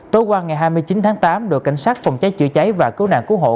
tối qua ngày hai mươi chín tháng tám đội cảnh sát phòng cháy chữa cháy và cứu nạn cứu hộ